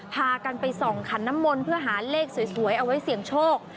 พากันไปส่องขันน้ำมนต์เพื่อหาเลขสวยเอาไว้เสี่ยงโชค